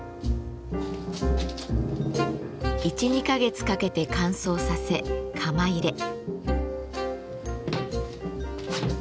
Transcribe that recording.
１２か月かけて乾燥させ窯入れ。